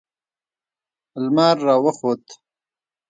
لمر راوخوت